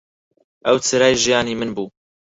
ئەو چرای ژیانی من بوو.